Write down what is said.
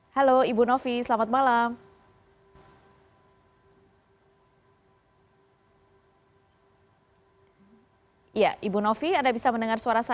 halo ibu novi selamat malam